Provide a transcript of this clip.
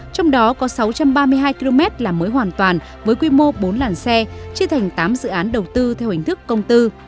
trong đó có sáu trăm ba mươi hai km là mới hoàn toàn với quy mô bốn làn xe chia thành tám dự án đầu tư theo hình thức công tư